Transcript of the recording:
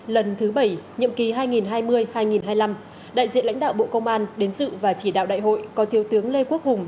lần thứ bảy nhiệm kỳ hai nghìn hai mươi hai nghìn hai mươi năm đại diện lãnh đạo bộ công an đến sự và chỉ đạo đại hội có thiếu tướng lê quốc hùng